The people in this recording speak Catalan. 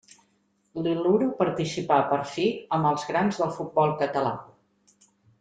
L'Iluro participà, per fi, amb els grans del futbol català.